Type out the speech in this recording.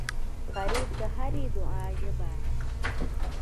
غریب د هرې دعا ژبه ده